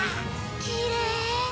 きれい。